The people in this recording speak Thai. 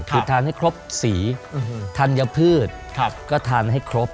คือทานให้ครบสีธัญพืชก็ทานให้ครบ